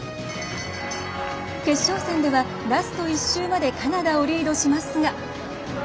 決勝戦ではラスト１周までカナダをリードしますが。